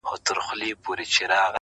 ما پخوا لا طبیبان وه رخصت کړي!!